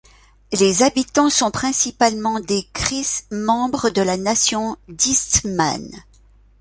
Les habitants sont principalement des Cris membres de la Nation d'Eastmain.